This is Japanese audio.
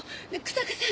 日下さん！